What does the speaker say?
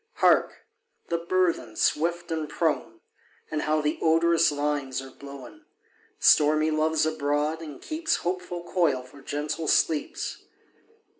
Hark! the burthen, swift and prone! And how the odorous limes are blown! Stormy Love's abroad, and keeps Hopeful coil for gentle sleeps.